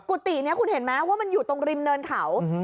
กตินี้คุณเห็นไหมว่ามันอยู่ตรงริมเนินเขา